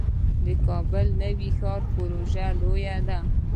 د کابل نوی ښار پروژه لویه ده